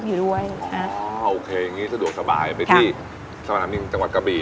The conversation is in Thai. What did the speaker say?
อยู่ด้วยครับอ๋อโอเคงี้สะดวกสบายไปที่สถาบันดาลนี่ปีนจังหวัดกะบลี